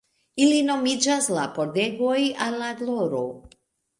Ili nomiĝas la Pordegoj al la Gloro.